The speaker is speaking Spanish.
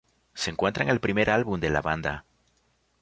Se encuentra en el primer álbum de la banda.